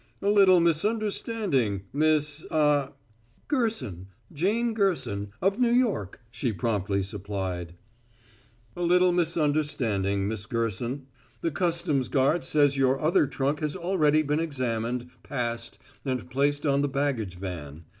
"A little misunderstanding, Miss ah " "Gerson Jane Gerson, of New York," she promptly supplied. "A little misunderstanding, Miss Gerson. The customs guard says your other trunk has already been examined, passed, and placed on the baggage van.